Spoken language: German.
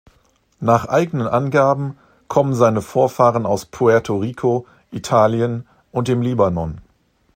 Nach eigenen Angaben kommen seine Vorfahren aus Puerto Rico, Italien und dem Libanon.